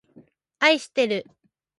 あいしてる